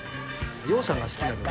羊さんが好きなの？